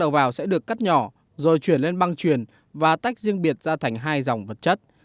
ròng vật chất sẽ được cắt nhỏ rồi chuyển lên băng chuyển và tách riêng biệt ra thành hai dòng vật chất